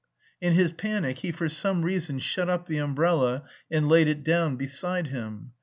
_" In his panic he for some reason shut up the umbrella and laid it down beside him.